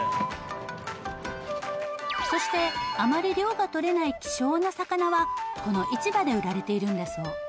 そしてあまり量がとれない希少な魚はこの市場で売られているんだそう。